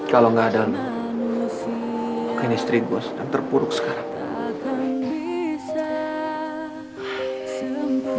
kalau gak ada lo mungkin istri gue sedang terpuruk sekarang